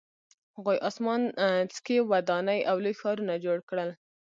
هغوی اسمان څکې ودانۍ او لوی ښارونه جوړ کړل